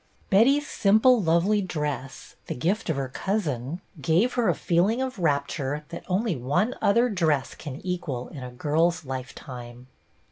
Betty's simple, lovely dress, the gift of her 276 BETTY BAIRD cousin, gave her a feeling of rapture that only one other dress can equal in a girl's lifetime.